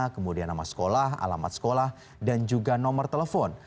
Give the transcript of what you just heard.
kemudian nama sekolah alamat sekolah dan juga nomor telepon